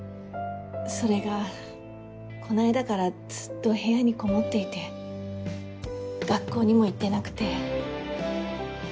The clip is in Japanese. それがこの間からずっと部屋にこもっていて学校にも行ってなくて。